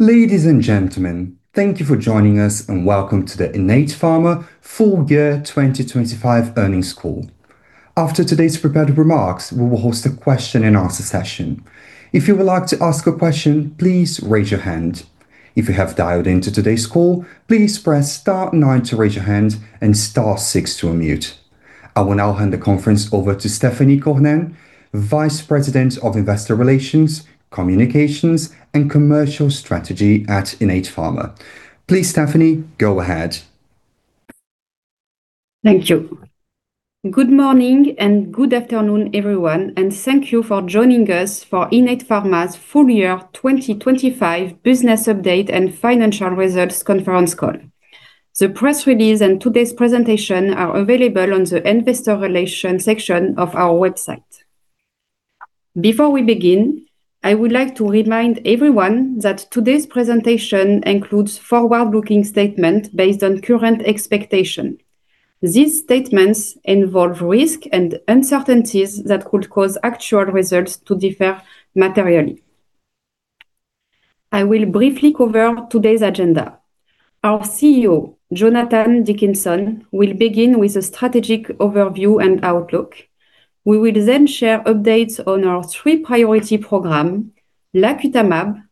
Ladies and gentlemen, thank you for joining us, and welcome to the Innate Pharma full year 2025 earnings call. After today's prepared remarks, we will host a question and answer session. If you would like to ask a question, please raise your hand. If you have dialed into today's call, please press star nine to raise your hand and star six to unmute. I will now hand the conference over to Stéphanie Cornen, Vice President of Investor Relations, Communications, and Commercial Strategy at Innate Pharma. Please, Stéphanie, go ahead. Thank you. Good morning and good afternoon, everyone, and thank you for joining us for Innate Pharma's full year 2025 business update and financial results conference call. The press release and today's presentation are available on the investor relations section of our website. Before we begin, I would like to remind everyone that today's presentation includes forward-looking statements based on current expectation. These statements involve risk and uncertainties that could cause actual results to differ materially. I will briefly cover today's agenda. Our CEO, Jonathan Dickinson, will begin with a strategic overview and outlook. We will then share updates on our three priority program, lacutamab,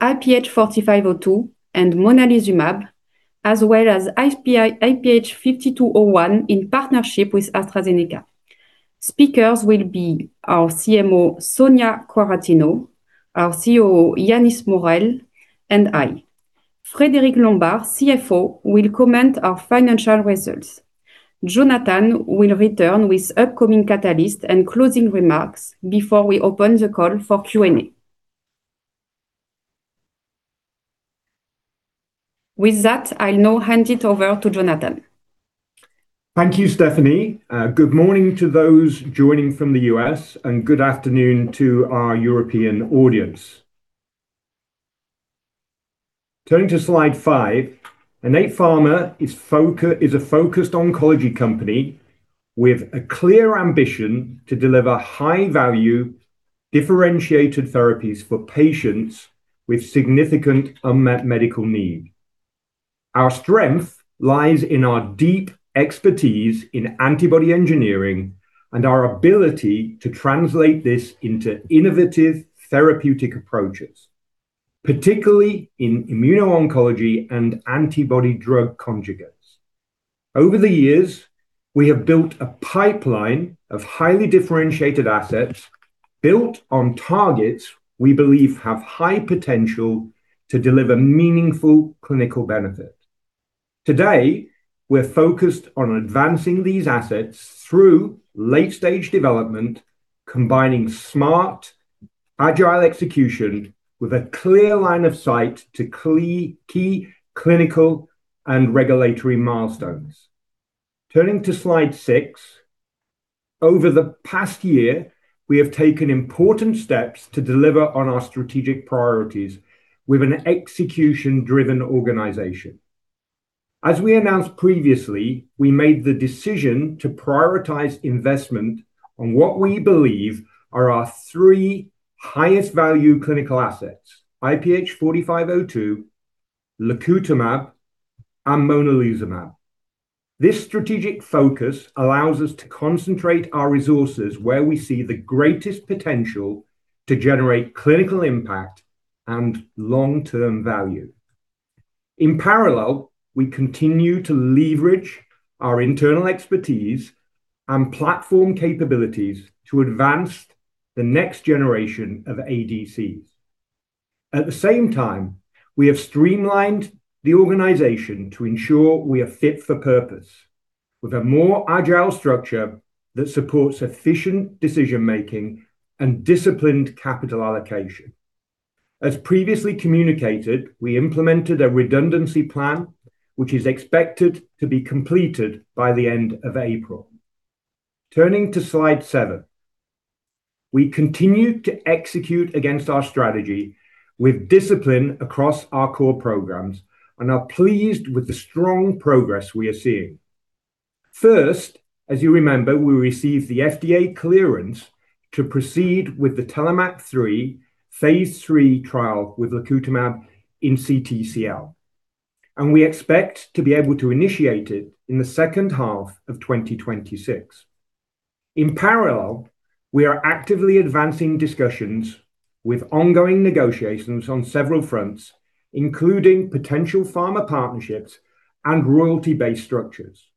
IPH4502, and monalizumab, as well as IPH5201 in partnership with AstraZeneca. Speakers will be our CMO, Sonia Quaratino, our COO, Yannis Morel, and I. Frédéric Lombard, CFO, will comment our financial results. Jonathan will return with upcoming catalyst and closing remarks before we open the call for Q&A. With that, I'll now hand it over to Jonathan. Thank you, Stéphanie. Good morning to those joining from the U.S., and good afternoon to our European audience. Turning to slide five, Innate Pharma is a focused oncology company with a clear ambition to deliver high-value differentiated therapies for patients with significant unmet medical need. Our strength lies in our deep expertise in antibody engineering and our ability to translate this into innovative therapeutic approaches, particularly in immuno-oncology and antibody-drug conjugates. Over the years, we have built a pipeline of highly differentiated assets built on targets we believe have high potential to deliver meaningful clinical benefit. Today, we're focused on advancing these assets through late-stage development, combining smart, agile execution with a clear line of sight to key clinical and regulatory milestones. Turning to slide six. Over the past year, we have taken important steps to deliver on our strategic priorities with an execution-driven organization. As we announced previously, we made the decision to prioritize investment on what we believe are our three highest value clinical assets, IPH4502, lacutamab, and monalizumab. This strategic focus allows us to concentrate our resources where we see the greatest potential to generate clinical impact and long-term value. In parallel, we continue to leverage our internal expertise and platform capabilities to advance the next generation of ADCs. At the same time, we have streamlined the organization to ensure we are fit for purpose, with a more agile structure that supports efficient decision-making and disciplined capital allocation. As previously communicated, we implemented a redundancy plan, which is expected to be completed by the end of April. Turning to slide seven. We continue to execute against our strategy with discipline across our core programs and are pleased with the strong progress we are seeing. First, as you remember, we received the FDA clearance to proceed with the TELLOMAK 3 phase III trial with lacutamab in CTCL, and we expect to be able to initiate it in the second half of 2026. In parallel, we are actively advancing discussions with ongoing negotiations on several fronts, including potential pharma partnerships and royalty-based structures.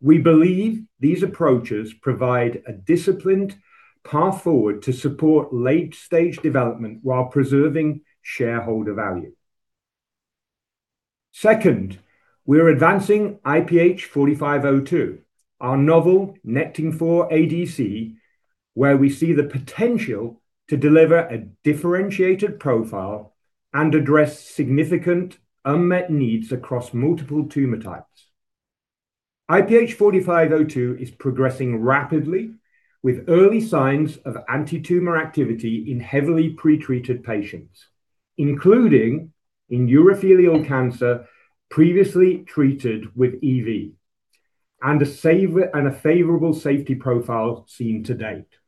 We believe these approaches provide a disciplined path forward to support late-stage development while preserving shareholder value. Second, we're advancing IPH4502, our novel Nectin-4 ADC, where we see the potential to deliver a differentiated profile and address significant unmet needs across multiple tumor types. IPH4502 is progressing rapidly with early signs of antitumor activity in heavily pretreated patients, including in urothelial cancer previously treated with EV, and a favorable safety profile seen to date.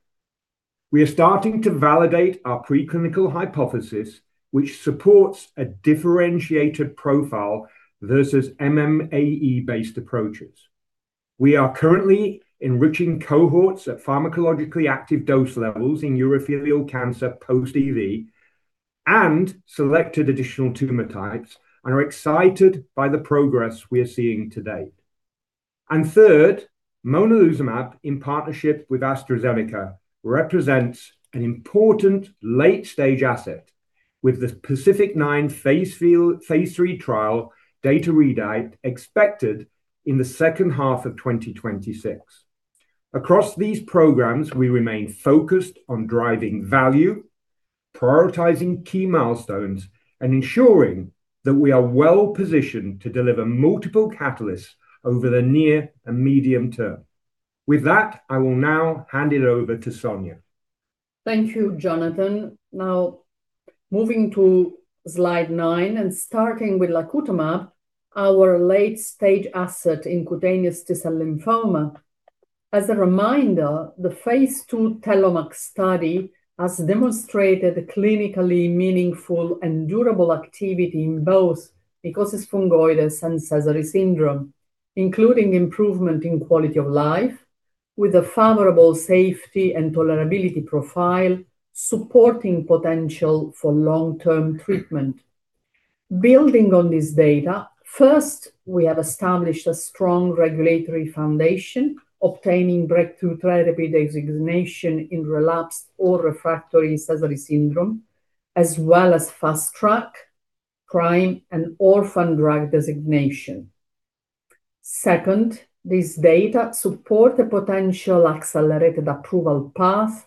We are starting to validate our preclinical hypothesis, which supports a differentiated profile versus MMAE-based approaches. We are currently enriching cohorts at pharmacologically active dose levels in urothelial cancer post EV, and selected additional tumor types, and are excited by the progress we are seeing to date. Third, monalizumab, in partnership with AstraZeneca, represents an important late-stage asset with the PACIFIC-9 phase III trial data readout expected in the second half of 2026. Across these programs, we remain focused on driving value, prioritizing key milestones, and ensuring that we are well-positioned to deliver multiple catalysts over the near and medium term. With that, I will now hand it over to Sonia. Thank you, Jonathan. Now, moving to slide nine and starting with lacutamab, our late-stage asset in cutaneous T-cell lymphoma. As a reminder, the phase II TELLOMAK study has demonstrated a clinically meaningful and durable activity in both mycosis fungoides and Sézary syndrome, including improvement in quality of life with a favorable safety and tolerability profile, supporting potential for long-term treatment. Building on this data, first, we have established a strong regulatory foundation, obtaining Breakthrough Therapy designation in relapsed or refractory Sézary syndrome, as well as Fast Track, PRIME, and Orphan Drug Designation. Second, this data support the potential accelerated approval path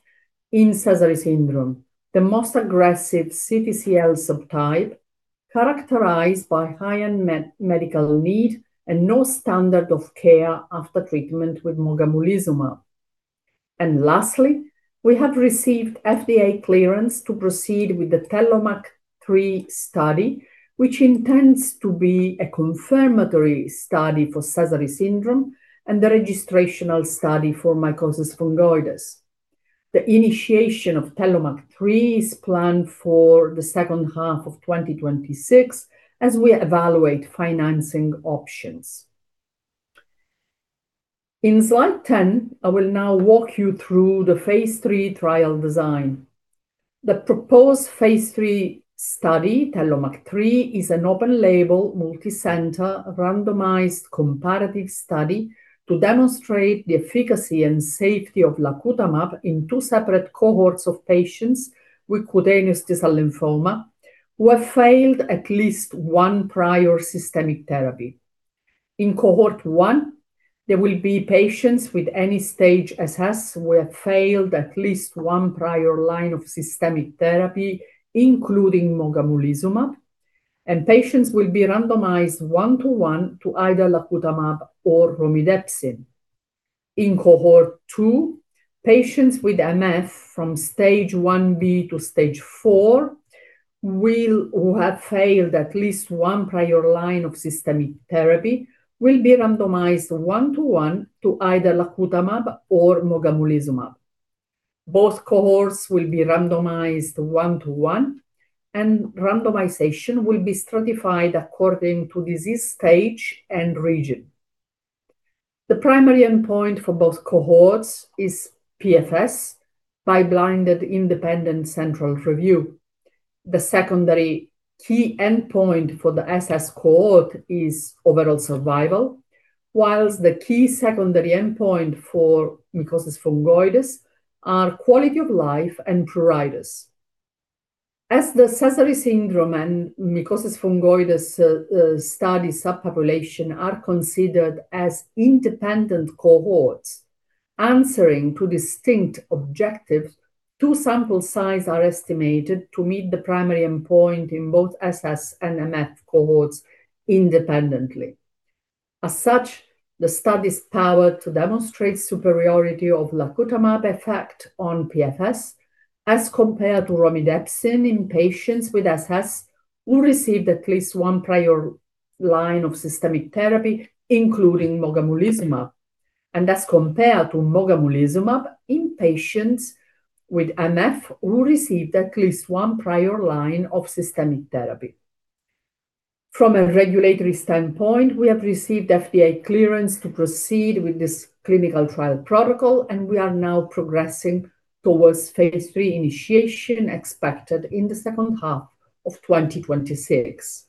in Sézary syndrome, the most aggressive CTCL subtype characterized by high unmet medical need and no standard of care after treatment with mogamulizumab. Lastly, we have received FDA clearance to proceed with the TELLOMAK 3 study, which intends to be a confirmatory study for Sézary syndrome and the registrational study for mycosis fungoides. The initiation of TELLOMAK 3 is planned for the second half of 2026 as we evaluate financing options. In slide 10, I will now walk you through the phase III trial design. The proposed phase III study, TELLOMAK 3, is an open-label, multicenter, randomized comparative study to demonstrate the efficacy and safety of lacutamab in two separate cohorts of patients with cutaneous T-cell lymphoma who have failed at least one prior systemic therapy. In cohort one, there will be patients with any stage SS who have failed at least one prior line of systemic therapy, including mogamulizumab. Patients will be randomized 1:1 to either lacutamab or romidepsin. In cohort two, patients with MF from stage Ib to stage IV who have failed at least one prior line of systemic therapy will be randomized 1:1 to either lacutamab or mogamulizumab. Both cohorts will be randomized 1:1, and randomization will be stratified according to disease stage and region. The primary endpoint for both cohorts is PFS by blinded independent central review. The secondary key endpoint for the SS cohort is overall survival, while the key secondary endpoint for mycosis fungoides are quality of life and pruritus. As the Sézary syndrome and mycosis fungoides study subpopulation are considered as independent cohorts answering to distinct objectives, two sample size are estimated to meet the primary endpoint in both SS and MF cohorts independently. As such, the study's power to demonstrate superiority of lacutamab effect on PFS as compared to romidepsin in patients with SS who received at least one prior line of systemic therapy, including mogamulizumab, and that's compared to mogamulizumab in patients with MF who received at least one prior line of systemic therapy. From a regulatory standpoint, we have received FDA clearance to proceed with this clinical trial protocol, and we are now progressing towards phase III initiation expected in the second half of 2026.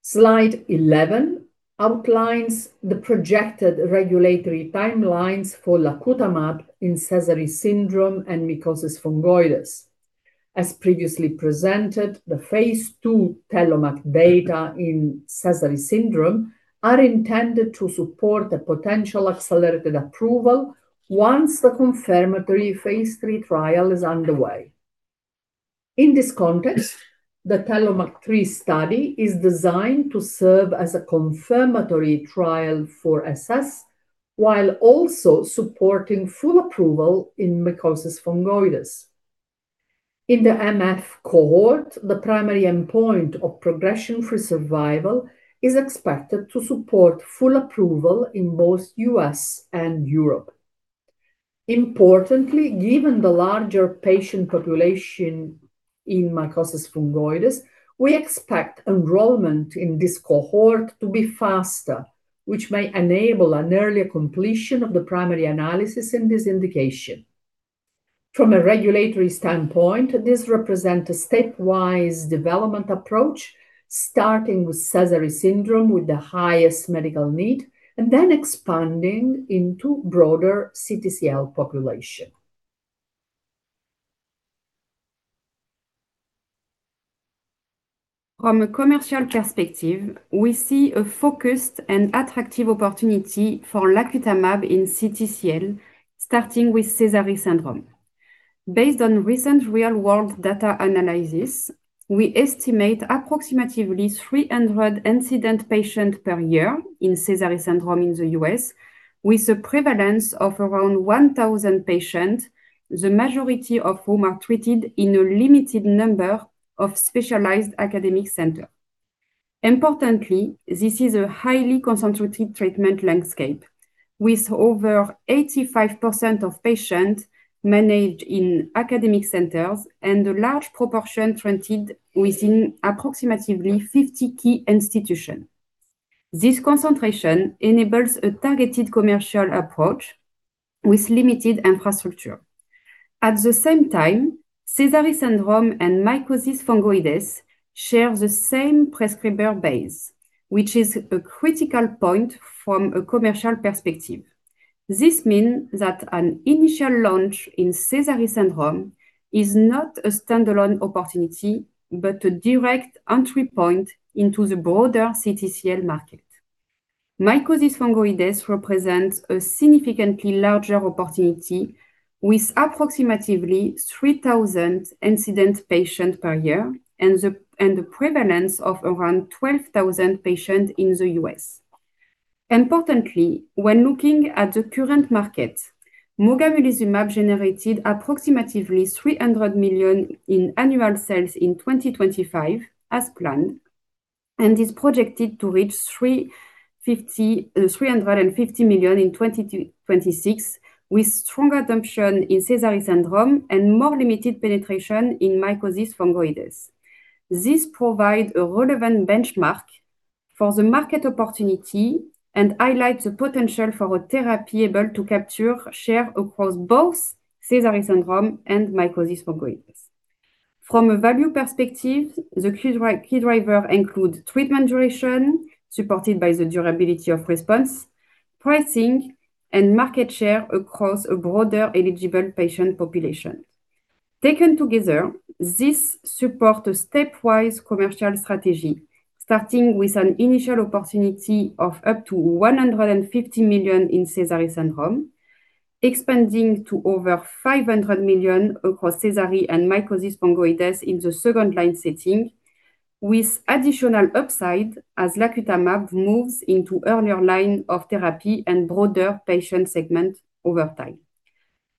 Slide 11 outlines the projected regulatory timelines for lacutamab in Sézary syndrome and mycosis fungoides. As previously presented, the phase II TELLOMAK data in Sézary syndrome are intended to support a potential accelerated approval once the confirmatory phase III trial is underway. In this context, the TELLOMAK 3 study is designed to serve as a confirmatory trial for SS, while also supporting full approval in mycosis fungoides. In the MF cohort, the primary endpoint of progression-free survival is expected to support full approval in both U.S. and Europe. Importantly, given the larger patient population in mycosis fungoides, we expect enrollment in this cohort to be faster, which may enable an earlier completion of the primary analysis in this indication. From a regulatory standpoint, this represent a stepwise development approach, starting with Sézary syndrome with the highest medical need, and then expanding into broader CTCL population. From a commercial perspective, we see a focused and attractive opportunity for lacutamab in CTCL, starting with Sézary syndrome. Based on recent real-world data analysis, we estimate approximately 300 incident patients per year in Sézary syndrome in the U.S., with a prevalence of around 1,000 patients, the majority of whom are treated in a limited number of specialized academic centers. Importantly, this is a highly concentrated treatment landscape, with over 85% of patients managed in academic centers and a large proportion treated within approximately 50 key institutions. This concentration enables a targeted commercial approach with limited infrastructure. At the same time, Sézary syndrome and mycosis fungoides share the same prescriber base, which is a critical point from a commercial perspective. This means that an initial launch in Sézary syndrome is not a standalone opportunity, but a direct entry point into the broader CTCL market. Mycosis fungoides represents a significantly larger opportunity with approximately 3,000 incident patient per year and the prevalence of around 12,000 patient in the U.S. Importantly, when looking at the current market, mogamulizumab generated approximately $300 million in annual sales in 2025 as planned, and is projected to reach $350 million in 2026, with strong adoption in Sézary syndrome and more limited penetration in mycosis fungoides. This provide a relevant benchmark for the market opportunity and highlight the potential for a therapy able to capture share across both Sézary syndrome and mycosis fungoides. From a value perspective, the key driver include treatment duration, supported by the durability of response, pricing, and market share across a broader eligible patient population. Taken together, this supports a stepwise commercial strategy, starting with an initial opportunity of up to 150 million in Sézary syndrome, expanding to over 500 million across Sézary syndrome and mycosis fungoides in the second-line setting, with additional upside as lacutamab moves into earlier lines of therapy and broader patient segments over time.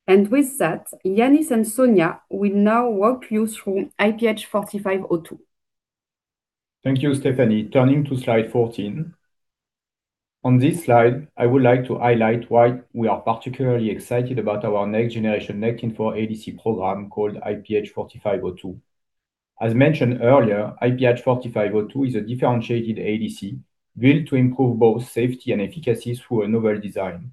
With that, Yannis and Sonia will now walk you through IPH4502. Thank you, Stéphanie. Turning to slide 14. On this slide, I would like to highlight why we are particularly excited about our next-generation Nectin-4 ADC program called IPH4502. As mentioned earlier, IPH4502 is a differentiated ADC built to improve both safety and efficacy through a novel design.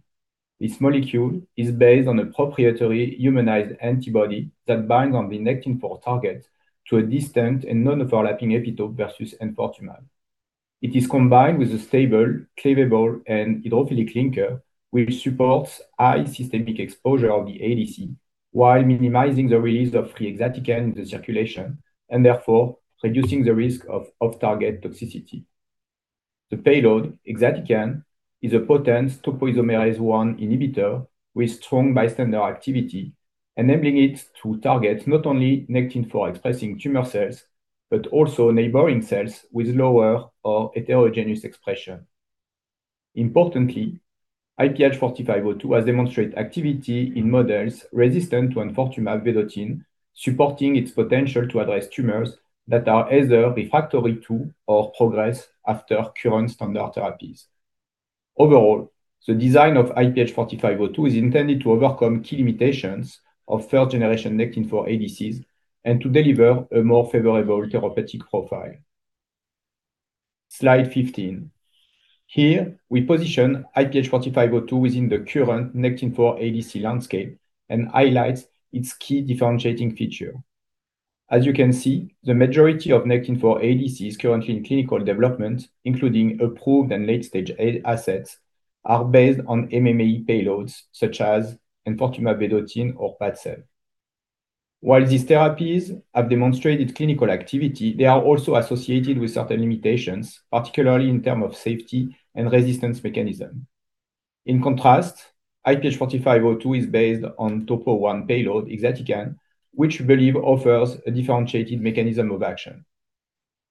This molecule is based on a proprietary humanized antibody that bind on the Nectin-4 target to a distant and non-overlapping epitope versus enfortumab. It is combined with a stable, cleavable, and hydrophilic linker, which supports high systemic exposure of the ADC while minimizing the release of free exatecan in the circulation, and therefore reducing the risk of off-target toxicity. The payload, exatecan, is a potent topoisomerase I inhibitor with strong bystander activity, enabling it to target not only Nectin-4 expressing tumor cells, but also neighboring cells with lower or heterogeneous expression. Importantly, IPH4502 has demonstrated activity in models resistant to enfortumab vedotin, supporting its potential to address tumors that are either refractory to or progress after current standard therapies. Overall, the design of IPH4502 is intended to overcome key limitations of third-generation Nectin-4 ADCs and to deliver a more favorable therapeutic profile. Slide 15. Here, we position IPH4502 within the current Nectin-4 ADC landscape and highlights its key differentiating feature. As you can see, the majority of Nectin-4 ADCs currently in clinical development, including approved and late-stage assets, are based on MMAE payloads such as enfortumab vedotin or PADCEV. While these therapies have demonstrated clinical activity, they are also associated with certain limitations, particularly in terms of safety and resistance mechanism. In contrast, IPH4502 is based on topo I payload, exatecan, which we believe offers a differentiated mechanism of action.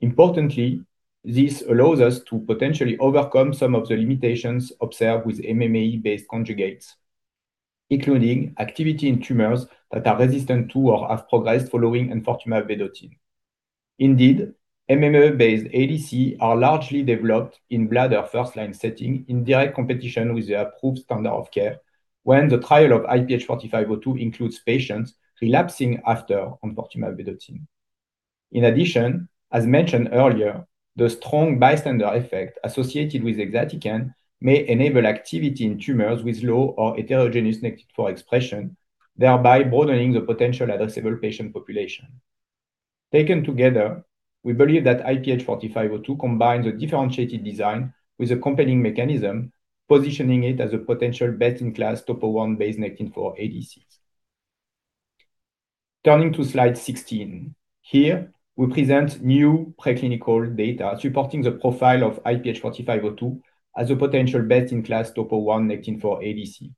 Importantly, this allows us to potentially overcome some of the limitations observed with MMAE-based conjugates, including activity in tumors that are resistant to or have progressed following enfortumab vedotin. Indeed, MMAE-based ADCs are largely developed in bladder first-line setting in direct competition with the approved standard of care, when the trial of IPH4502 includes patients relapsing after enfortumab vedotin. In addition, as mentioned earlier, the strong bystander effect associated with exatecan may enable activity in tumors with low or heterogeneous Nectin-4 expression, thereby broadening the potential addressable patient population. Taken together, we believe that IPH4502 combines a differentiated design with a competing mechanism, positioning it as a potential best-in-class topo I-based Nectin-4 ADC. Turning to slide 16. Here, we present new preclinical data supporting the profile of IPH4502 as a potential best-in-class topo I Nectin-4 ADC.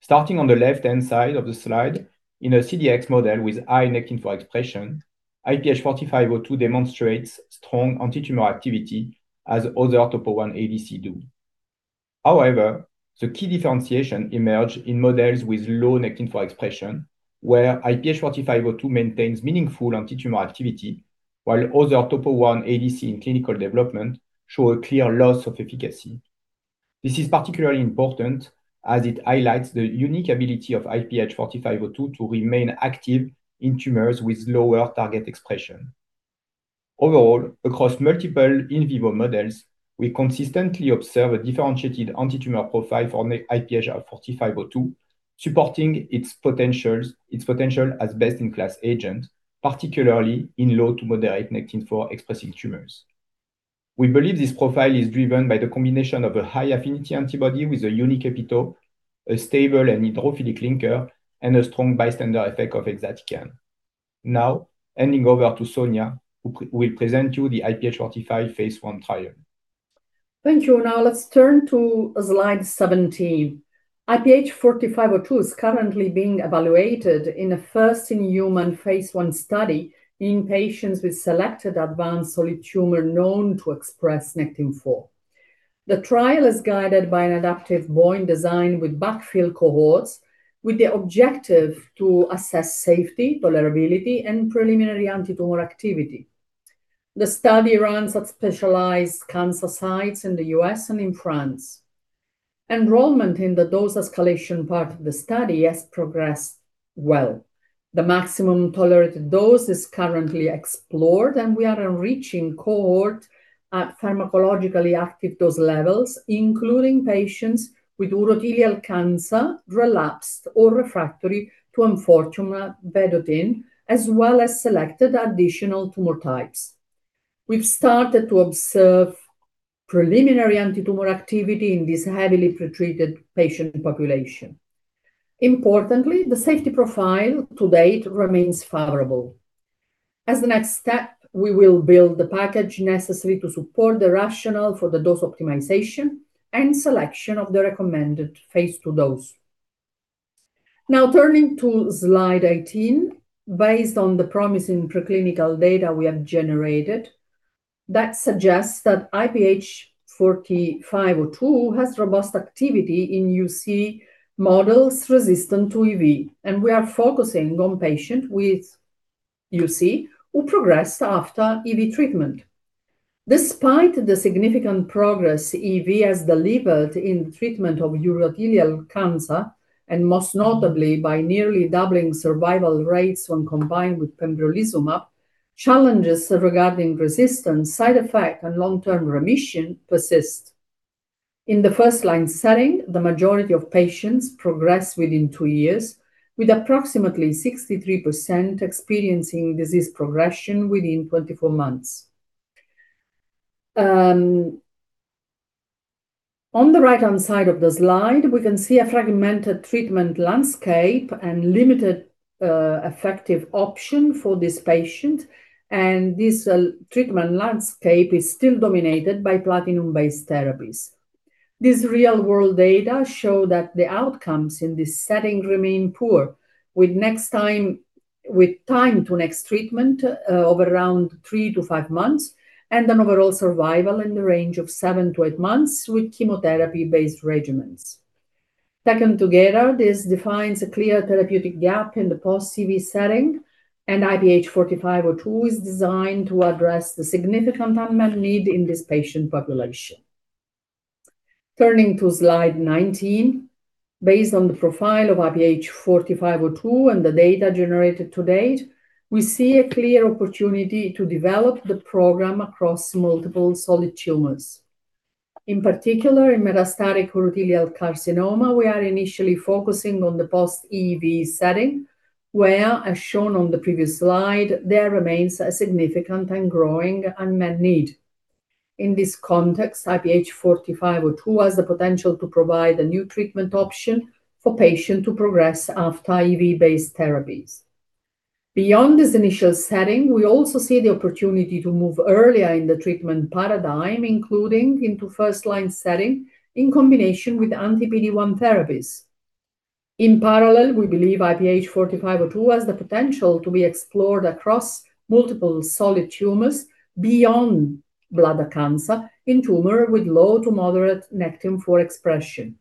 Starting on the left-hand side of the slide, in a CDX model with high Nectin-4 expression, IPH4502 demonstrates strong antitumor activity as other topo I ADCs do. However, the key differentiation emerges in models with low Nectin-4 expression, where IPH4502 maintains meaningful antitumor activity, while other topo I ADCs in clinical development show a clear loss of efficacy. This is particularly important as it highlights the unique ability of IPH4502 to remain active in tumors with lower target expression. Overall, across multiple in vivo models, we consistently observe a differentiated antitumor profile for IPH4502, supporting its potential as best-in-class agent, particularly in low to moderate Nectin-4-expressing tumors. We believe this profile is driven by the combination of a high-affinity antibody with a unique epitope, a stable and hydrophilic linker, and a strong bystander effect of exatecan. Now, handing over to Sonia, who will present to you the IPH4502 phase I trial. Thank you. Now let's turn to slide 17. IPH4502 is currently being evaluated in a first-in-human phase I study in patients with selected advanced solid tumor known to express Nectin-4. The trial is guided by an adaptive BOIN design with backfill cohorts with the objective to assess safety, tolerability and preliminary antitumor activity. The study runs at specialized cancer sites in the U.S. and in France. Enrollment in the dose escalation part of the study has progressed well. The maximum tolerated dose is currently explored, and we are enriching cohort at pharmacologically active dose levels, including patients with urothelial cancer, relapsed or refractory to enfortumab vedotin, as well as selected additional tumor types. We've started to observe preliminary antitumor activity in this heavily pretreated patient population. Importantly, the safety profile to date remains favorable. As the next step, we will build the package necessary to support the rationale for the dose optimization and selection of the recommended phase II dose. Now turning to slide 18. Based on the promising preclinical data we have generated that suggests that IPH4502 has robust activity in UC models resistant to EV, and we are focusing on patients with UC who progressed after EV treatment. Despite the significant progress EV has delivered in treatment of urothelial cancer, and most notably by nearly doubling survival rates when combined with pembrolizumab, challenges regarding resistance, side effects, and long-term remission persist. In the first-line setting, the majority of patients progress within two years, with approximately 63% experiencing disease progression within 24 months. On the right-hand side of the slide, we can see a fragmented treatment landscape and limited effective option for this patient, and this treatment landscape is still dominated by platinum-based therapies. This real-world data show that the outcomes in this setting remain poor, with time to next treatment of around three-five months and an overall survival in the range of seven-eight months with chemotherapy-based regimens. Taken together, this defines a clear therapeutic gap in the post-EV setting, and IPH4502 is designed to address the significant unmet need in this patient population. Turning to slide 19. Based on the profile of IPH4502 and the data generated to date, we see a clear opportunity to develop the program across multiple solid tumors. In particular, in metastatic urothelial carcinoma, we are initially focusing on the post-EV setting, where, as shown on the previous slide, there remains a significant and growing unmet need. In this context, IPH4502 has the potential to provide a new treatment option for patients to progress after EV-based therapies. Beyond this initial setting, we also see the opportunity to move earlier in the treatment paradigm, including into first-line setting, in combination with anti-PD-1 therapies. In parallel, we believe IPH4502 has the potential to be explored across multiple solid tumors beyond bladder cancer in tumors with low to moderate Nectin-4 expression.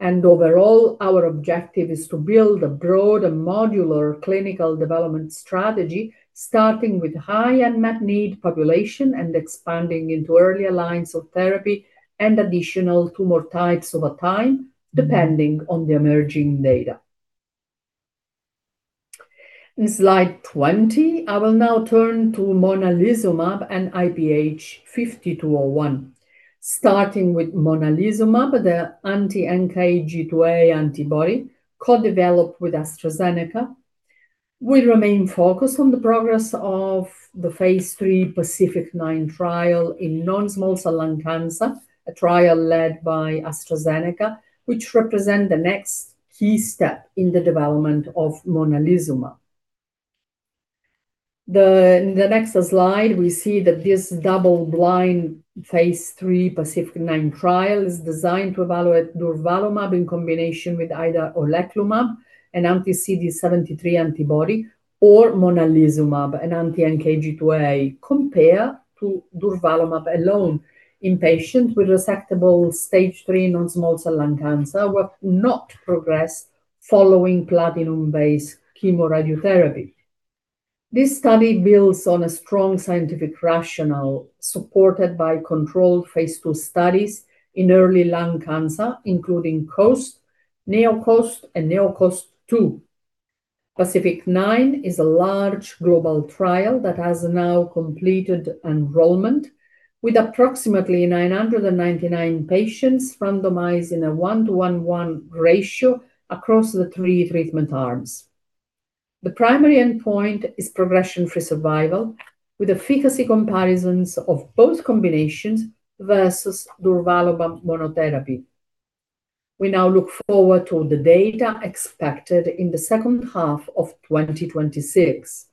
Overall, our objective is to build a broad and modular clinical development strategy, starting with high unmet need population and expanding into earlier lines of therapy and additional tumor types over time, depending on the emerging data. In slide 20, I will now turn to monalizumab and IPH5201. Starting with monalizumab, the anti-NKG2A antibody co-developed with AstraZeneca. We remain focused on the progress of the phase III PACIFIC-9 trial in non-small cell lung cancer, a trial led by AstraZeneca, which represent the next key step in the development of monalizumab. The next slide, we see that this double-blind phase III PACIFIC-9 trial is designed to evaluate durvalumab in combination with either oleclumab, an anti-CD73 antibody, or monalizumab, an anti-NKG2A, compare to durvalumab alone in patients with resectable stage III non-small cell lung cancer who have not progressed following platinum-based chemoradiotherapy. This study builds on a strong scientific rationale supported by controlled phase II studies in early lung cancer, including COAST, NeoCOAST, and NeoCOAST-2. PACIFIC-9 is a large global trial that has now completed enrollment with approximately 999 patients randomized in a 1:1:1 ratio across the three treatment arms. The primary endpoint is progression-free survival with efficacy comparisons of both combinations versus durvalumab monotherapy. We now look forward to the data expected in the second half of 2026.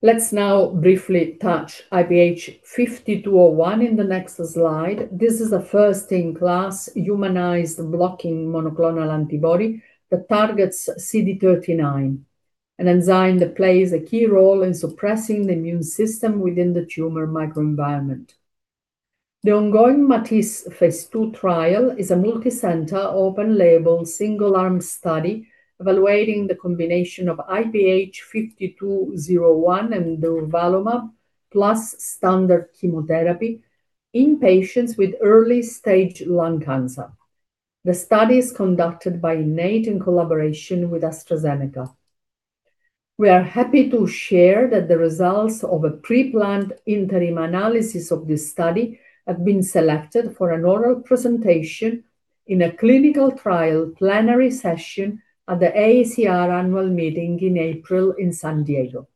Let's now briefly touch IPH5201 in the next slide. This is a first-in-class humanized blocking monoclonal antibody that targets CD39, an enzyme that plays a key role in suppressing the immune system within the tumor microenvironment. The ongoing MATISSE phase II trial is a multicenter, open label, single-arm study evaluating the combination of IPH5201 and durvalumab plus standard chemotherapy in patients with early stage lung cancer. The study is conducted by Innate in collaboration with AstraZeneca. We are happy to share that the results of a pre-planned interim analysis of this study have been selected for an oral presentation in a clinical trial plenary session at the AACR Annual Meeting in April in San Diego.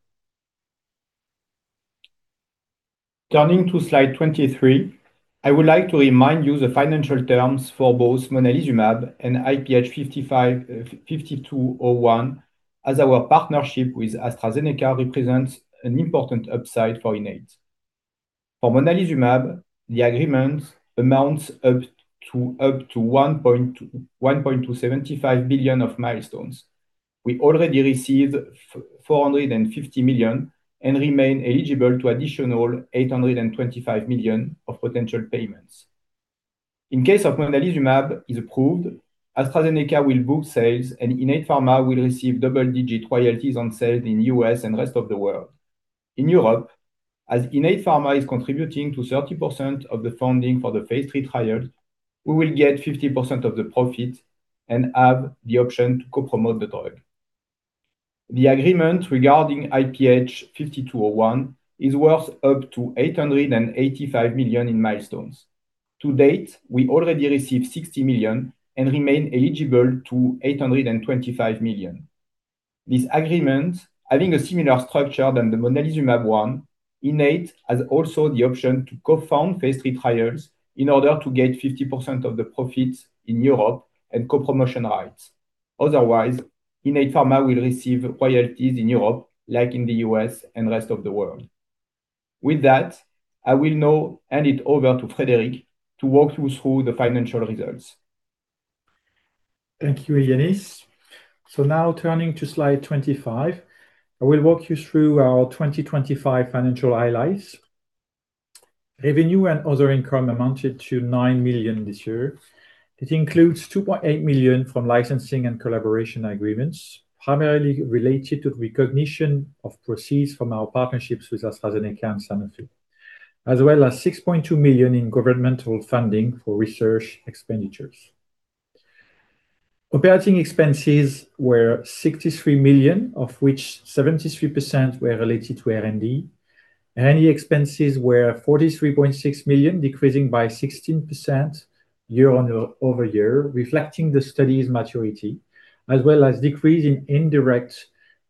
Turning to slide 23, I would like to remind you the financial terms for both monalizumab and IPH5201, as our partnership with AstraZeneca represents an important upside for Innate. For monalizumab, the agreement amounts up to $1.275 billion of milestones. We already received $450 million and remain eligible to additional $825 million of potential payments. In case monalizumab is approved, AstraZeneca will book sales, and Innate Pharma will receive double-digit royalties on sales in U.S. and rest of the world. In Europe, as Innate Pharma is contributing to 30% of the funding for the phase III trial, we will get 50% of the profit and have the option to co-promote the drug. The agreement regarding IPH5201 is worth up to $885 million in milestones. To date, we already received $60 million and remain eligible for $825 million. This agreement, having a similar structure to the monalizumab one, Innate has also the option to co-fund phase III trials in order to get 50% of the profits in Europe and co-promotion rights. Otherwise, Innate Pharma will receive royalties in Europe, like in the U.S. and rest of the world. With that, I will now hand it over to Frédéric to walk you through the financial results. Thank you, Yannis. Now turning to slide 25, I will walk you through our 2025 financial highlights. Revenue and other income amounted to 9 million this year. It includes 2.8 million from licensing and collaboration agreements, primarily related to recognition of proceeds from our partnerships with AstraZeneca and Sanofi. As well as 6.2 million in governmental funding for research expenditures. Operating expenses were 63 million, of which 73% were related to R&D. R&D expenses were 43.6 million, decreasing by 16% year-over-year, reflecting the study's maturity as well as decrease in indirect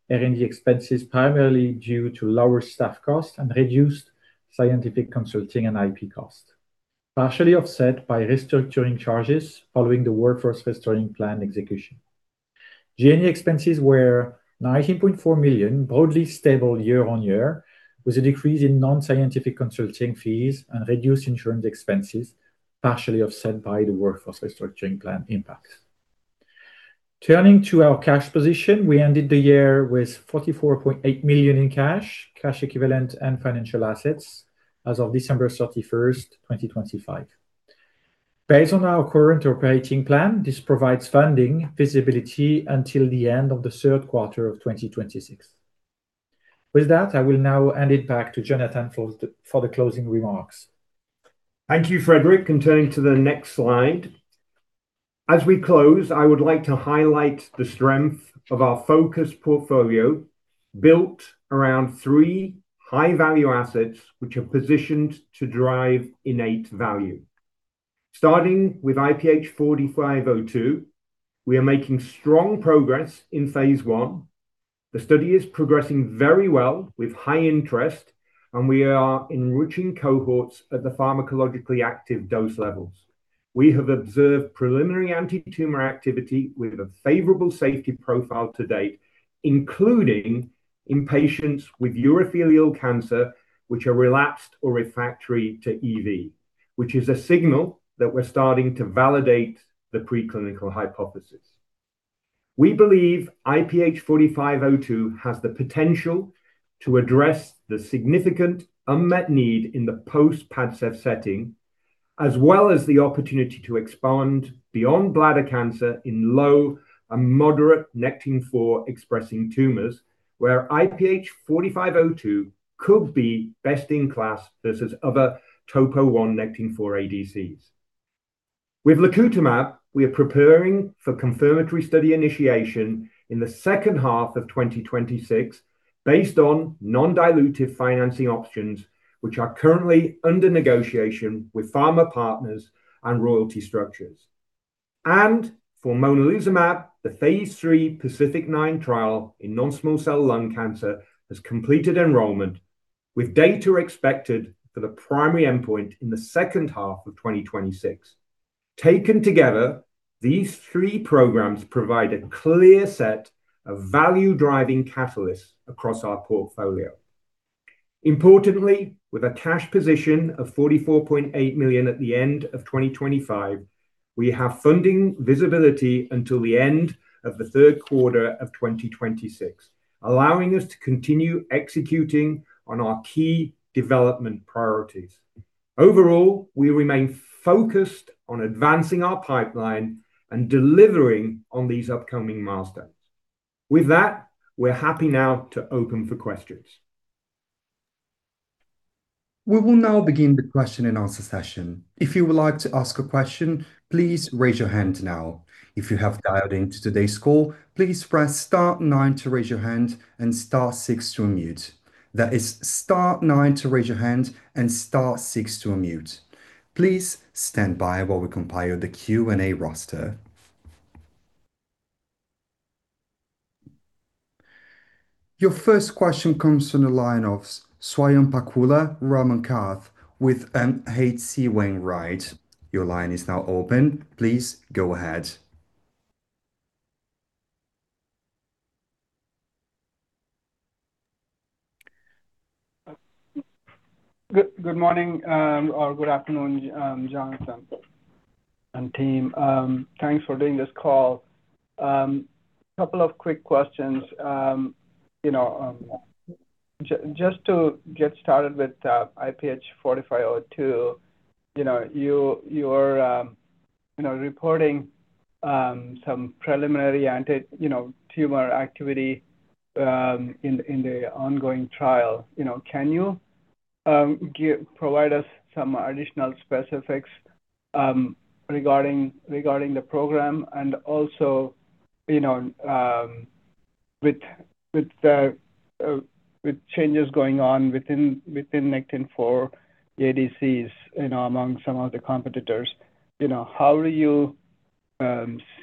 R&D expenses, primarily due to lower staff costs and reduced scientific consulting and IP cost. Partially offset by restructuring charges following the workforce restoring plan execution. G&A expenses were 19.4 million, broadly stable year-on-year, with a decrease in non-scientific consulting fees and reduced insurance expenses, partially offset by the workforce restructuring plan impacts. Turning to our cash position, we ended the year with 44.8 million in cash equivalents and financial assets as of December 31, 2025. Based on our current operating plan, this provides funding visibility until the end of the third quarter of 2026. With that, I will now hand it back to Jonathan for the closing remarks. Thank you, Frédéric. Turning to the next slide. As we close, I would like to highlight the strength of our focused portfolio built around three high-value assets, which are positioned to drive innate value. Starting with IPH4502, we are making strong progress in phase I. The study is progressing very well with high interest, and we are enriching cohorts at the pharmacologically active dose levels. We have observed preliminary antitumor activity with a favorable safety profile to date, including in patients with urothelial cancer, which are relapsed or refractory to EV, which is a signal that we're starting to validate the preclinical hypothesis. We believe IPH4502 has the potential to address the significant unmet need in the post-PADCEV setting, as well as the opportunity to expand beyond bladder cancer in low and moderate Nectin-4 expressing tumors where IPH4502 could be best in class versus other topo I Nectin-4 ADCs. With lacutamab, we are preparing for confirmatory study initiation in the second half of 2026 based on non-dilutive financing options, which are currently under negotiation with pharma partners and royalty structures. For monalizumab, the phase III PACIFIC-9 trial in non-small cell lung cancer has completed enrollment, with data expected for the primary endpoint in the second half of 2026. Taken together, these three programs provide a clear set of value-driving catalysts across our portfolio. Importantly, with a cash position of 44.8 million at the end of 2025, we have funding visibility until the end of the third quarter of 2026, allowing us to continue executing on our key development priorities. Overall, we remain focused on advancing our pipeline and delivering on these upcoming milestones. With that, we're happy now to open for questions. We will now begin the question and answer session. If you would like to ask a question, please raise your hand now. If you have dialed in to today's call, please press star nine to raise your hand and star six to unmute. That is star nine to raise your hand and star six to unmute. Please stand by while we compile the Q&A roster. Your first question comes from the line of Swayampakula Ramakanth with H.C. Wainwright. Your line is now open. Please go ahead. Good morning or good afternoon, Jonathan and team. Thanks for doing this call. A couple of quick questions. Just to get started with IPH4502, you know, you are reporting some preliminary anti-tumor activity in the ongoing trial. You know, can you provide us some additional specifics regarding the program? And also, you know, with the changes going on within Nectin-4 ADCs, you know, among some of the competitors, you know, how do you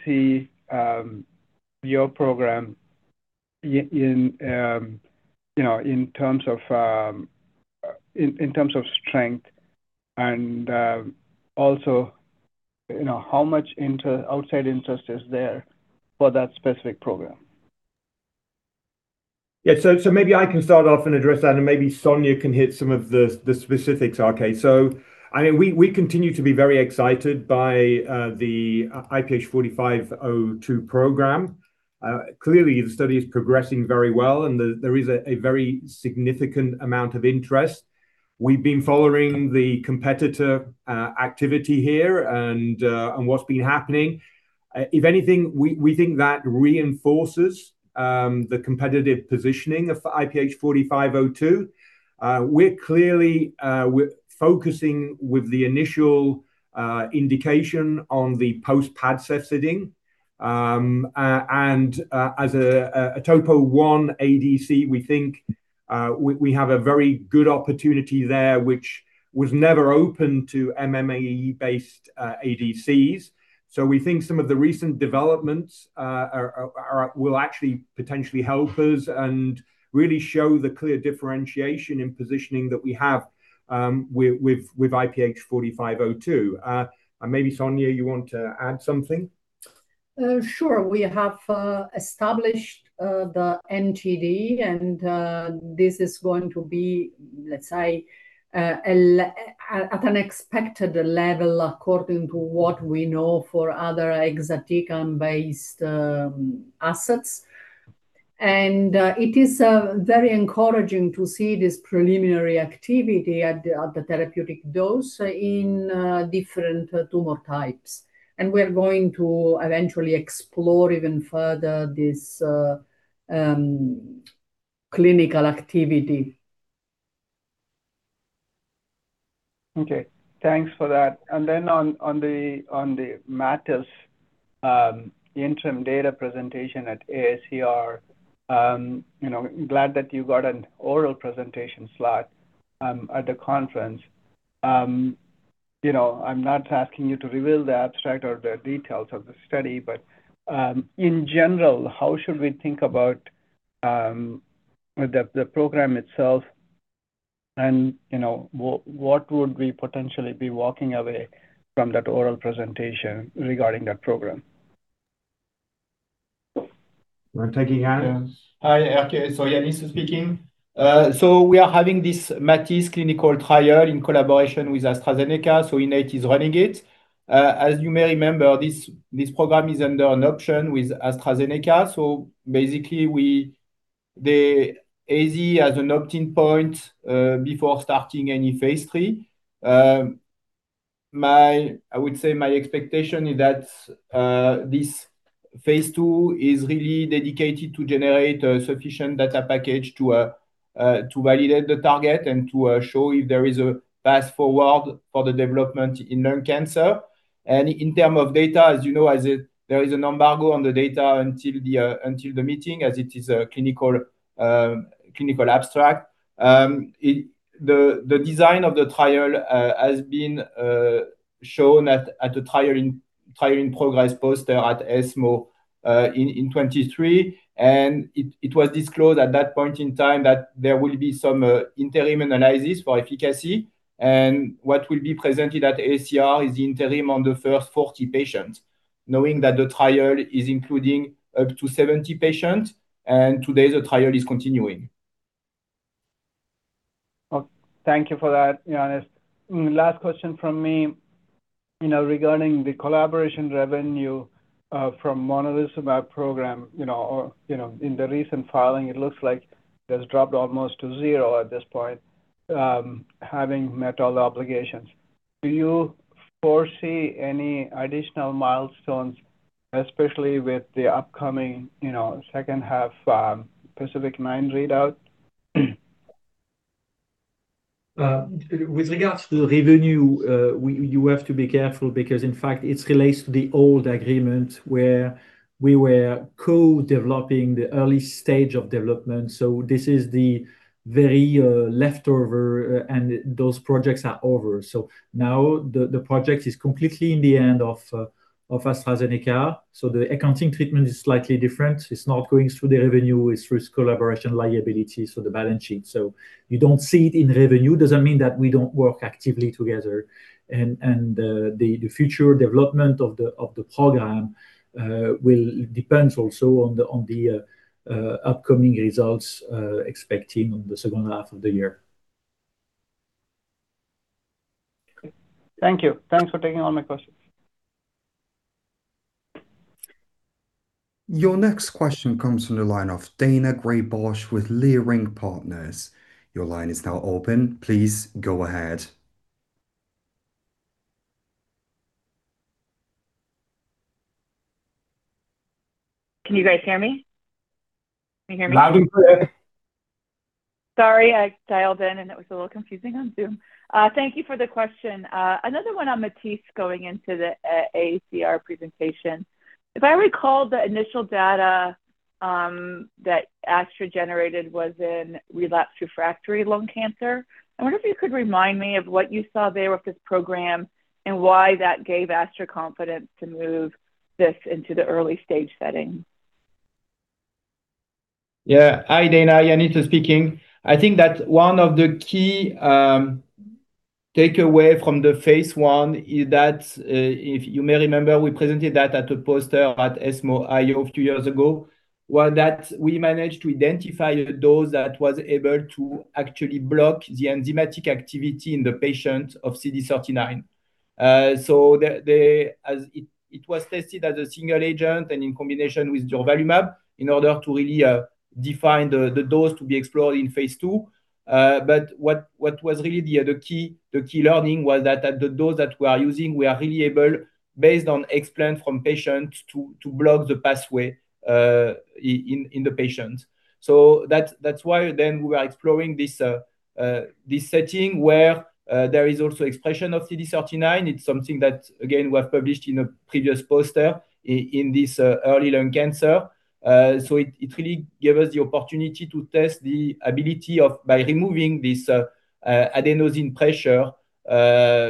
see your program in terms of strength? And also, you know, how much outside interest is there for that specific program? Yeah. Maybe I can start off and address that, and maybe Sonia can hit some of the specifics, okay? I mean, we continue to be very excited by the IPH4502 program. Clearly the study is progressing very well, and there is a very significant amount of interest. We've been following the competitor activity here and what's been happening. If anything, we think that reinforces the competitive positioning of IPH4502. We're clearly focusing with the initial indication on the post-PADCEV setting. As a topo 1 ADC, we think we have a very good opportunity there, which was never open to MMAE-based ADCs. We think some of the recent developments are, will actually potentially help us and really show the clear differentiation in positioning that we have with IPH4502. Maybe, Sonia, you want to add something? Sure. We have established the MTD and this is going to be, let's say, at an expected level according to what we know for other exatecan-based assets. It is very encouraging to see this preliminary activity at the therapeutic dose in different tumor types. We're going to eventually explore even further this clinical activity. Okay. Thanks for that. On the MATISSE interim data presentation at AACR, you know, I'm glad that you got an oral presentation slot at the conference. You know, I'm not asking you to reveal the abstract or the details of the study, but in general, how should we think about the program itself and you know, what would we potentially be walking away from that oral presentation regarding that program? We're taking Yannis. Hi, R.K. Yannis Morel speaking. We are having this MATISSE clinical trial in collaboration with AstraZeneca, so Innate is running it. As you may remember, this program is under an option with AstraZeneca. Basically they, AZ has an opt-in point before starting any phase III. I would say my expectation is that this phase II is really dedicated to generate a sufficient data package to validate the target and to show if there is a path forward for the development in lung cancer. In terms of data, as you know, there is an embargo on the data until the meeting, as it is a clinical abstract. The design of the trial has been shown at the Trial in Progress poster at ESMO in 2023. It was disclosed at that point in time that there will be some interim analysis for efficacy. What will be presented at AACR is the interim on the first 40 patients, knowing that the trial is including up to 70 patients, and today the trial is continuing. Well, thank you for that, Yannis. Last question from me. You know, regarding the collaboration revenue from monalizumab program, you know, or, you know, in the recent filing, it looks like that it's dropped almost to zero at this point, having met all the obligations. Do you foresee any additional milestones, especially with the upcoming, you know, second half, PACIFIC-9 readout? With regards to revenue, you have to be careful because in fact it relates to the old agreement where we were co-developing the early stage of development. This is the very leftover, and those projects are over. Now the project is completely in the hand of AstraZeneca, so the accounting treatment is slightly different. It's not going through the revenue, it's through collaboration liability, so the balance sheet. You don't see it in revenue, it doesn't mean that we don't work actively together. The future development of the program will depend also on the upcoming results expecting on the second half of the year. Okay. Thank you. Thanks for taking all my questions. Your next question comes from the line of Daina Graybosch with Leerink Partners. Your line is now open. Please go ahead. Can you guys hear me? Can you hear me? Loud and clear. Sorry, I dialed in and it was a little confusing on Zoom. Thank you for the question. Another one on MATISSE going into the AACR presentation. If I recall, the initial data that Astra generated was in relapsed refractory lung cancer. I wonder if you could remind me of what you saw there with this program and why that gave Astra confidence to move this into the early stage setting. Hi, Daina. Yannis speaking. I think that one of the key takeaway from the phase I is that, if you may remember, we presented that at a poster at ESMO IO two years ago. Well, that we managed to identify a dose that was able to actually block the enzymatic activity in the patient of CD39. So as it was tested as a single agent and in combination with durvalumab in order to really define the dose to be explored in phase II. But what was really the key learning was that at the dose that we are using, we are really able, based on explants from patients, to block the pathway in the patients. That's why we are exploring this setting where there is also expression of CD39. It's something that again, we have published in a previous poster in this early lung cancer. It really gave us the opportunity to test the ability of by removing this adenosine pressure.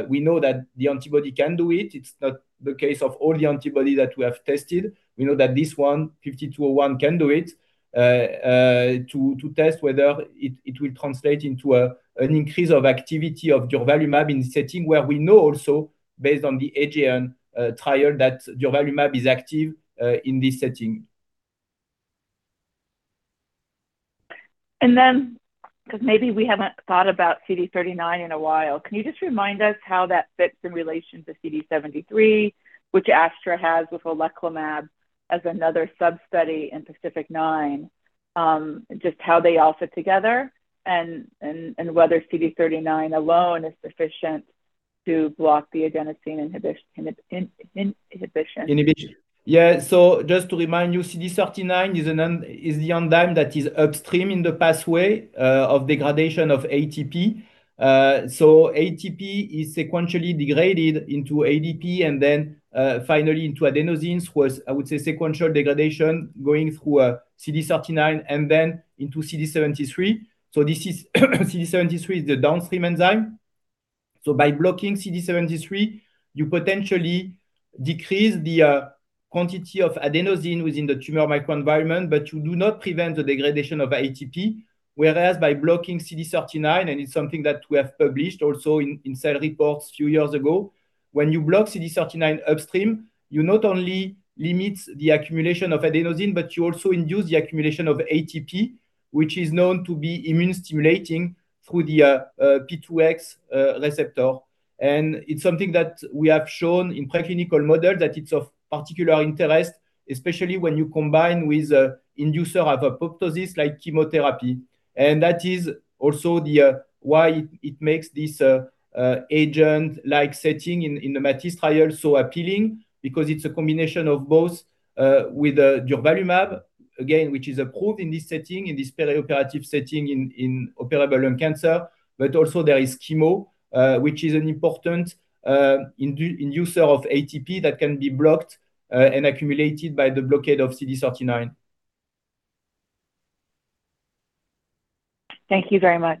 We know that the antibody can do it. It's not the case of all the antibody that we have tested. We know that this one, IPH5201, can do it, to test whether it will translate into an increase of activity of durvalumab in setting where we know also based on the NeoCOAST trial, that durvalumab is active in this setting. Because maybe we haven't thought about CD39 in a while, can you just remind us how that fits in relation to CD73, which Astra has with oleclumab as another sub-study in PACIFIC-9? Just how they all fit together and whether CD39 alone is sufficient to block the adenosine inhibition. Inhibition. Yeah. Just to remind you, CD39 is the enzyme that is upstream in the pathway of degradation of ATP. ATP is sequentially degraded into ADP and then finally into adenosine, I would say, sequential degradation going through CD39 and then into CD73. CD73 is the downstream enzyme. By blocking CD73, you potentially decrease the quantity of adenosine within the tumor microenvironment, but you do not prevent the degradation of ATP. Whereas by blocking CD39, and it's something that we have published also in Cell Reports a few years ago, when you block CD39 upstream, you not only limit the accumulation of adenosine, but you also induce the accumulation of ATP, which is known to be immune-stimulating through the P2X receptor. It's something that we have shown in preclinical models that it's of particular interest, especially when you combine with an inducer of apoptosis like chemotherapy. That is also why it makes this neoadjuvant setting in the MATISSE trial so appealing because it's a combination of both with durvalumab, again, which is approved in this setting, in this perioperative setting in operable lung cancer, but also there is chemo, which is an important inducer of ATP that can be blocked and accumulated by the blockade of CD39. Thank you very much.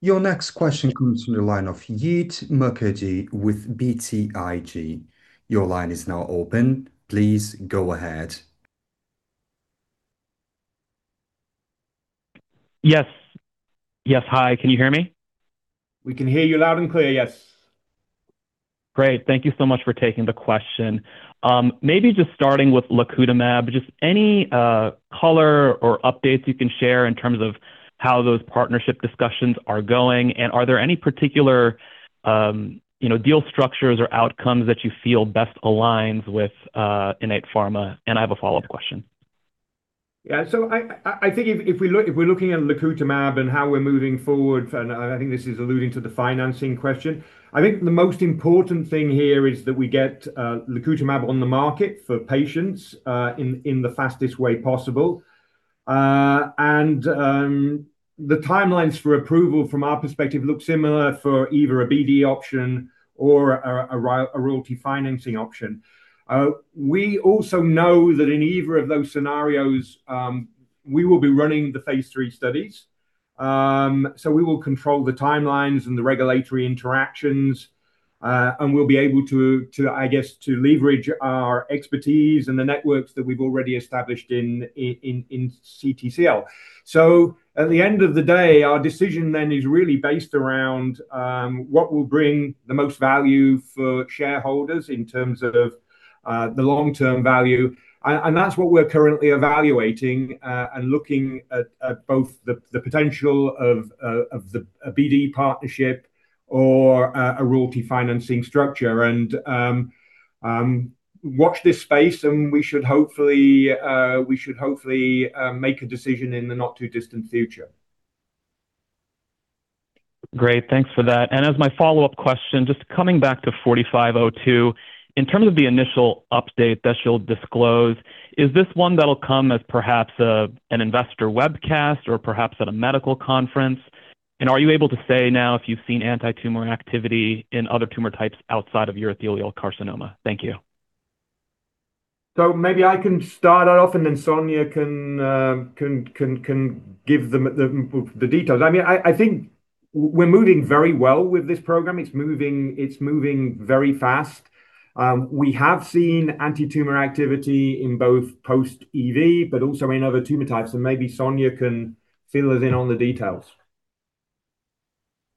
Your next question comes from the line of Jeet Mukherjee with BTIG. Your line is now open. Please go ahead. Yes. Hi, can you hear me? We can hear you loud and clear, yes. Great. Thank you so much for taking the question. Maybe just starting with lacutamab, just any, color or updates you can share in terms of how those partnership discussions are going, and are there any particular, deal structures or outcomes that you feel best aligns with, Innate Pharma? I have a follow-up question. I think if we look at lacutamab and how we're moving forward, and I think this is alluding to the financing question, I think the most important thing here is that we get lacutamab on the market for patients in the fastest way possible. The timelines for approval from our perspective look similar for either a BD option or a royalty financing option. We also know that in either of those scenarios, we will be running the phase III studies. We will control the timelines and the regulatory interactions, and we'll be able to leverage our expertise and the networks that we've already established in CTCL. At the end of the day, our decision then is really based around what will bring the most value for shareholders in terms of the long-term value. That's what we're currently evaluating and looking at both the potential of the BD partnership or a royalty financing structure. Watch this space, and we should hopefully make a decision in the not too distant future. Great. Thanks for that. As my follow-up question, just coming back to IPH4502, in terms of the initial update that you'll disclose, is this one that'll come as perhaps, an investor webcast or perhaps at a medical conference? Are you able to say now if you've seen antitumor activity in other tumor types outside of urothelial carcinoma? Thank you. Maybe I can start off and then Sonia can give them the details. I mean, I think we're moving very well with this program. It's moving very fast. We have seen antitumor activity in both post-EV, but also in other tumor types. Maybe Sonia can fill us in on the details.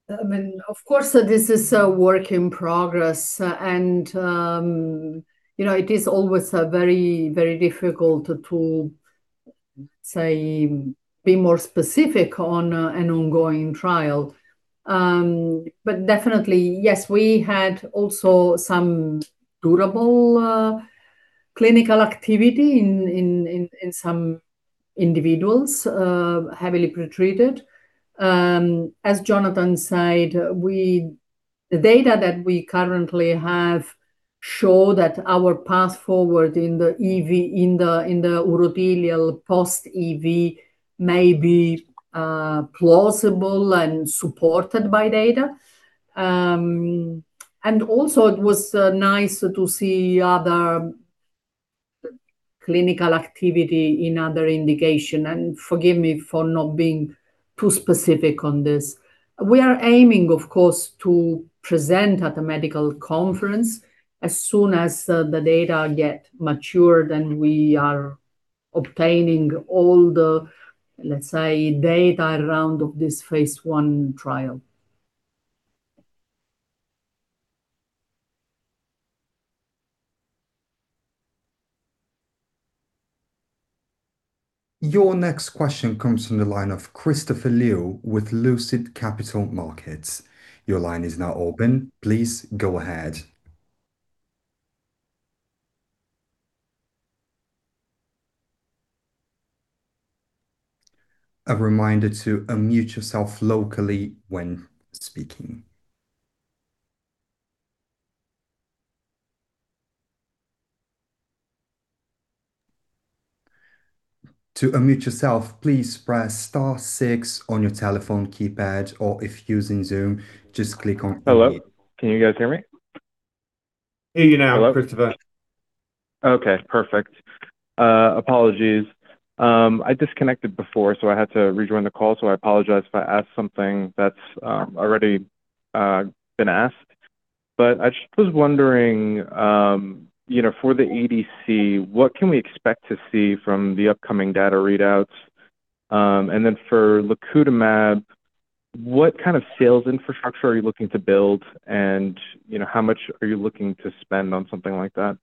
I mean, of course, this is a work in progress, and, you know, it is always very difficult to say, be more specific on an ongoing trial. But definitely, yes, we had also some durable clinical activity in some individuals heavily pretreated. As Jonathan said, the data that we currently have show that our path forward in the EV, in the urothelial post EV may be plausible and supported by data. And also it was nice to see other clinical activity in other indication, and forgive me for not being too specific on this. We are aiming, of course, to present at a medical conference as soon as the data get mature, then we are obtaining all the, let's say, data around this phase I trial. Your next question comes from the line of Christopher Liu with Lucid Capital Markets. Your line is now open. Please go ahead. A reminder to unmute yourself locally when speaking. To unmute yourself, please press star six on your telephone keypad, or if using Zoom, just click on unmute. Hello. Can you guys hear me? hear you now, Christopher. Okay, perfect. Apologies. I disconnected before, so I had to rejoin the call. I apologize if I ask something that's already been asked. I just was wondering, you know, for the ADC, what can we expect to see from the upcoming data readouts? And then for lacutamab, what kind of sales infrastructure are you looking to build and, you know, how much are you looking to spend on something like that?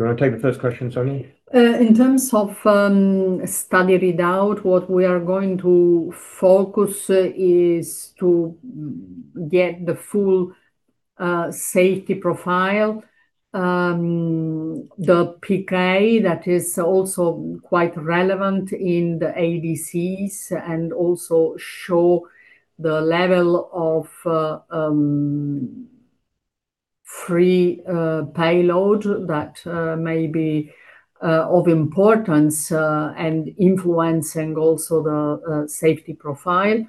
You wanna take the first question, Sonia? In terms of study readout, what we are going to focus is to get the full safety profile. The PK that is also quite relevant in the ADCs and also show the level of free payload that may be of importance and influencing also the safety profile.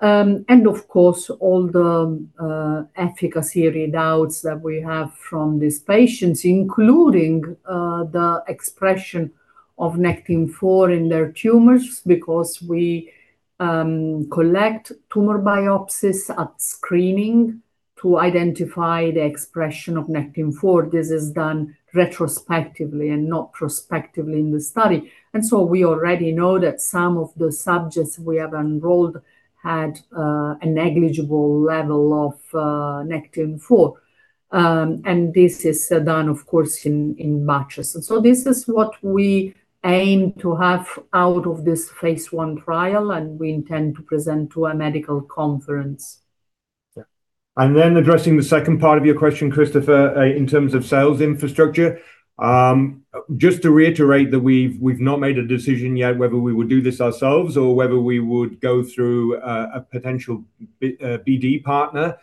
Of course, all the efficacy readouts that we have from these patients, including the expression of Nectin-4 in their tumors because we collect tumor biopsies at screening to identify the expression of Nectin-4. This is done retrospectively and not prospectively in the study. We already know that some of the subjects we have enrolled had a negligible level of Nectin-4. This is done, of course, in batches. This is what we aim to have out of this phase I trial, and we intend to present to a medical conference. Addressing the second part of your question, Christopher, in terms of sales infrastructure. Just to reiterate that we've not made a decision yet whether we would do this ourselves or whether we would go through a potential B, BD partner.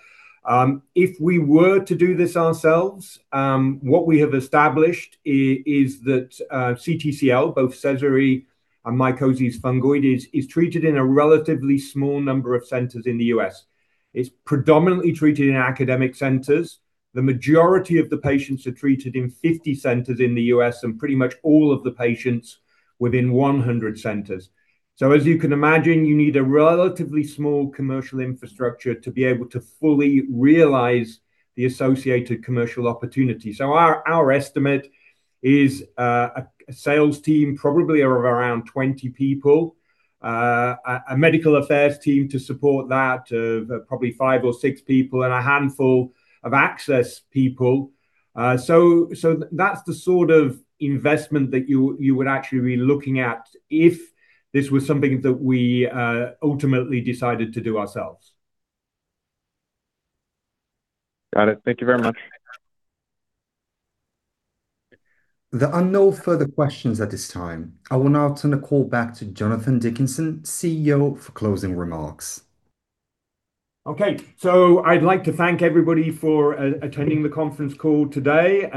If we were to do this ourselves, what we have established is that CTCL, both mycosis fungoides is treated in a relatively small number of centers in the U.S. It's predominantly treated in academic centers. The majority of the patients are treated in 50 centers in the U.S., and pretty much all of the patients within 100 centers. You need a relatively small commercial infrastructure to be able to fully realize the associated commercial opportunity. Our estimate is a sales team, probably of around 20 people, a medical affairs team to support that of probably five or six people and a handful of access people. That's the sort of investment that you would actually be looking at if this was something that we ultimately decided to do ourselves. Got it. Thank you very much. There are no further questions at this time. I will now turn the call back to Jonathan Dickinson, CEO, for closing remarks. Okay. I'd like to thank everybody for attending the conference call today.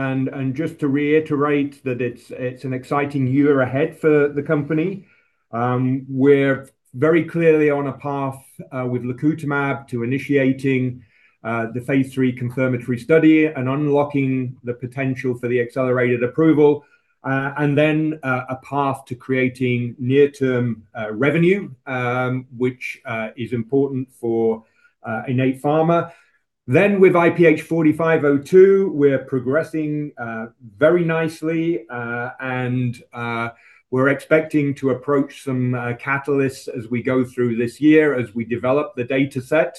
Just to reiterate that it's an exciting year ahead for the company. We're very clearly on a path with lacutamab to initiating the phase III confirmatory study and unlocking the potential for the accelerated approval, a path to creating near-term revenue, which is important for Innate Pharma. With IPH4502, we're progressing very nicely, and we're expecting to approach some catalysts as we go through this year as we develop the dataset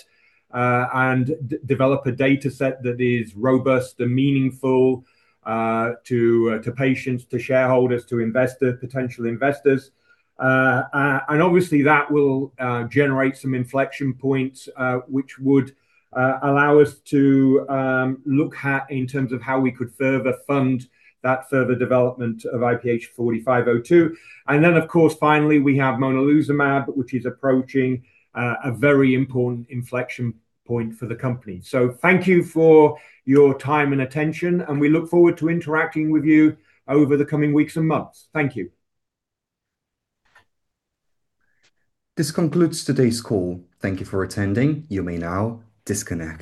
and develop a dataset that is robust and meaningful to patients, to shareholders, to investors, potential investors. Obviously that will generate some inflection points, which would allow us to look at in terms of how we could further fund that further development of IPH4502. Of course, finally, we have monalizumab, which is approaching a very important inflection point for the company. Thank you for your time and attention, and we look forward to interacting with you over the coming weeks and months. Thank you. This concludes today's call. Thank you for attending. You may now disconnect.